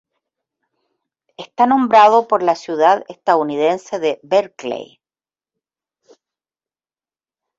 Está nombrado por la ciudad estadounidense de Berkeley.